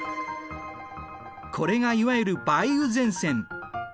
これがいわゆる梅雨前線。